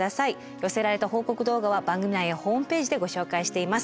寄せられた報告動画は番組内やホームページでご紹介しています。